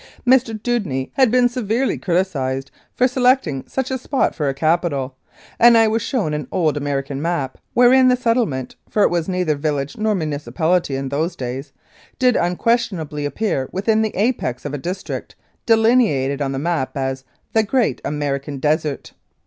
Mr. Dewdney had been severely criticised for selecting such a spot for a capital, and I was shown an old American map wherein the settle ment (for it was neither village nor municipality in those days) did unquestionably appear within the apex of a district, delineated on the map as "The Great American Desert."